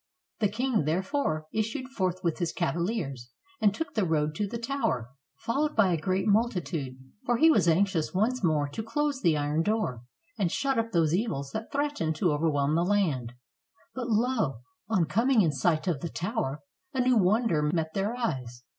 The king, therefore, issued forth with his cavaHers, and took the road to the tower, followed by a great multitude, for he was anxious once more to close the iron door, and shut up those evils that threatened to overwhelm the land. But lo! on com ing in sight of the tower, a new wonder met their eyes.